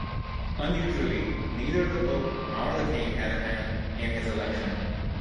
Unusually, neither the pope nor the king had a hand in his election.